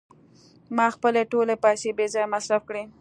ما خپلې ټولې پیسې بې ځایه مصرف کړې.